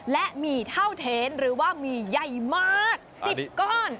และหมี่เท่าเทนหรือว่าหมี่ใหญ่มาก๑๐ก้อน